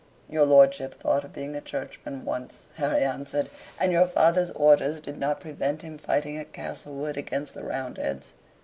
"Your lordship thought of being a churchman once," Harry answered, "and your father's orders did not prevent him fighting at Castlewood against the Roundheads.